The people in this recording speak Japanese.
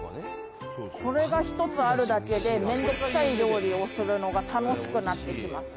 「これが１つあるだけで面倒くさい料理をするのが楽しくなってきます」